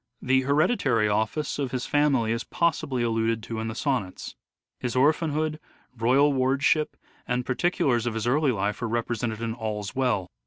The hereditary office of his family is possibly alluded to in the sonnets. His orphanhood, royal wardship, and particulars of his early life are represented in " All's Well."